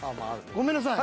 ごめんなさい。